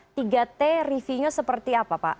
apa yang anda ingin mengatakan kepada masyarakat